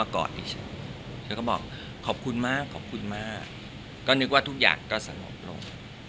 ก็นึกว่าทุกอย่างก็สะมมิวเลย